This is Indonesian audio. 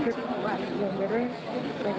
kemudian ibu ani nanti